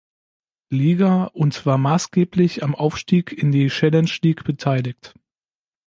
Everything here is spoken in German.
Liga und war massgeblich am Aufstieg in die Challenge League beteiligt.